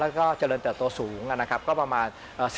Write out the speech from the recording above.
และเจริญเติดโตสูงก็ประมาณ๑๐๑๕